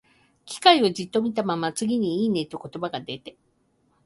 機械をじっと見たまま、次に、「いいね」と言葉が出て、